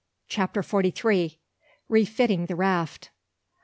CHAPTER FORTY THREE. REFITTING THE RAFT.